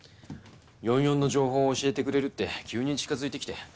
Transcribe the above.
４４の情報を教えてくれるって急に近づいてきて。